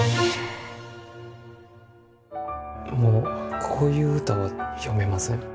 もうこういう歌は詠めません。